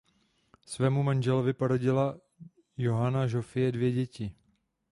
Svému manželovi porodila Johana Žofie dvě děti.